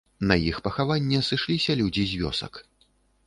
На іх пахаванне сышліся людзі з вёсак.